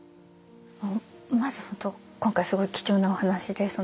まず本当今回すごい貴重なお話で。